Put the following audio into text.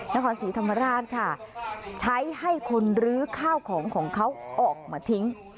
นครศรีธรรมราชค่ะใช้ให้คนลื้อข้าวของของเขาออกมาทิ้ง